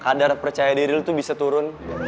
kapan sih kadar percaya diri lo tuh bisa turun